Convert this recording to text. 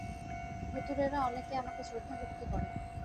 ভূতুড়েরা অনেকে আমাকে শ্রদ্ধাভক্তি করে।